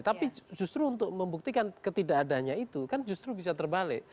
tapi justru untuk membuktikan ketidakadanya itu kan justru bisa terbalik